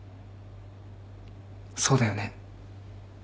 そうだよね？